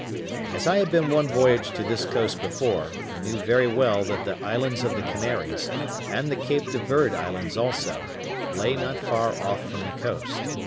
As I had been one voyage to this coast before, I knew very well that the islands of the Canaries, and the Cape de Verde Islands also, lay not far off from the coast.